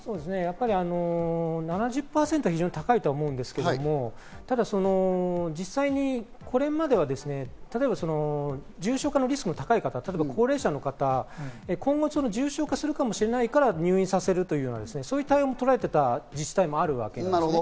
７０％は非常に高いと思うんですけど、実際にこれまでは重症化のリスクの高い方、例えば高齢者の方、今後、重症化するかもしれないから入院させるという対応を取られていた自治体もあるわけです。